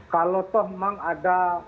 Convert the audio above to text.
kalau memang ada